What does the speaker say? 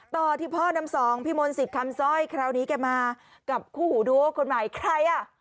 ต่อที่พ่อ๕๒พี่มนต์๑๐คำซ่อยคราวนี้กันมากับคู่หูดัวคนใหม่ใครอ่ะ